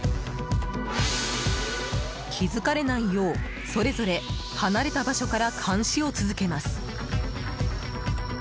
気付かれないよう、それぞれ離れた場所から監視を続けます。